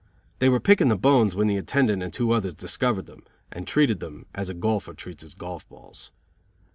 They were picking the bones when the attendant and two others discovered them and treated them as a golfer treats his golf balls.